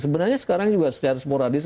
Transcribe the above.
sebenarnya sekarang juga secara sporadis